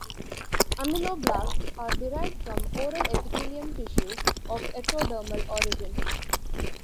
Ameloblasts are derived from oral epithelium tissue of ectodermal origin.